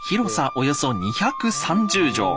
およそ２３０畳。